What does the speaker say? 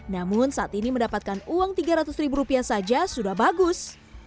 namun saat ini mendapatkan uang tiga ratus ribu rupiah saja sudah bagus